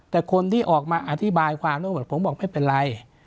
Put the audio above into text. แต่คนที่ออกมาอธิบายความทั้งหมดผมบอกไม่เป็นไร